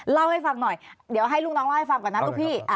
เล่าให้ฟังหน่อยเดี๋ยวให้ลูกน้องเล่าให้ฟังก่อนนะลูกพี่